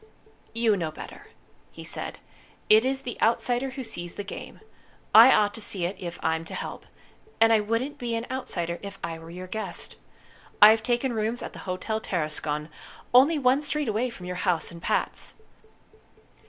"You know better," he said. "It is the outsider who sees the game. I ought to see it if I'm to help. And I wouldn't be an outsider if I were your guest. I've taken rooms at the Hotel Tarascon, only one street away from your house and Pat's."